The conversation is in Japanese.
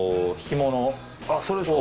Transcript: あっそれですか？